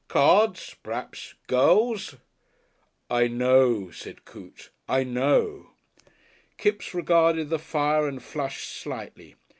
Cards, p'raps. Girls " "I know," said Coote; "I know." Kipps regarded the fire and flushed slightly.